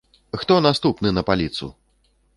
Хто наступны на паліцу?